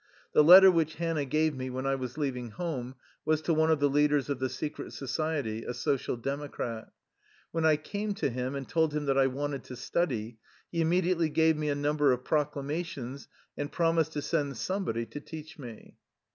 The letter which Hannah gave me when I was leaving home was to one of the leaders of the secret society, a Social Democrat. When I came to him and told him that I wanted to study, he immediately gave me a number of proclama tions and promised to send somebody to teach me.